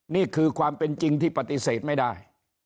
นี่คือความเป็นจริงที่ปฏิเสธไม่ได้